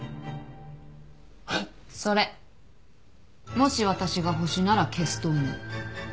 もし私がホシなら消すと思う。